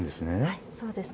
はいそうですね。